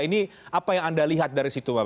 ini apa yang anda lihat dari situ pak